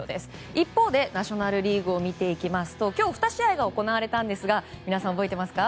一方でナショナル・リーグを見ていきますと今日２試合が行われたんですが皆さん覚えていますか？